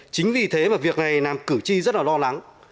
chính vì thế mà việc này làm cử tri rất là lo lắng